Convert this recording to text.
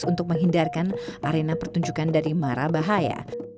untuk menghindarkan arena pertunjukan dari mara bahaya